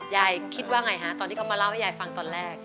ยายคิดว่าไงฮะตอนที่เขามาเล่าให้ยายฟังตอนแรก